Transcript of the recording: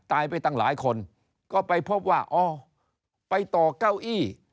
ตายไปตั้งหลายคนก็ไปพบว่าอ๋อไปต่อเก้าอี้